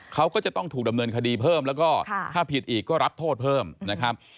เขาก็จะต้องถูกดำเนินคดีเพิ่มแล้วก็ถ้าผิดอีกก็รับโทษเพิ่มนะครับ